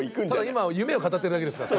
今夢を語ってるだけですから。